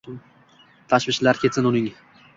Tashvishlari ketsin uning.